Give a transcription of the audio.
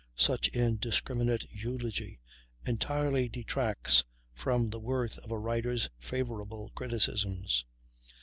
Such indiscriminate eulogy entirely detracts from the worth of a writer's favorable criticisms.